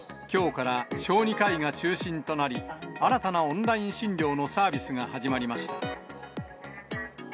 きょうから小児科医が中心となり、新たなオンライン診療のサービスが始まりました。